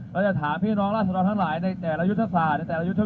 เราจะถามพี่น้องราศดรทั้งหลายในแต่ละยุทธศาสตร์ในแต่ละ